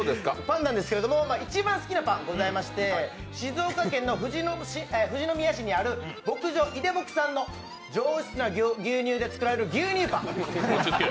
一番好きなパン、ございまして、静岡県の富士宮市にある牧場、いでぼくさんの上質な牛乳で作られる牛乳パン。